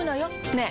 ねえ。